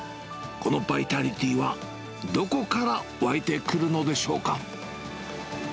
このバイタリティーは、どこから湧いてくるのでしょうか。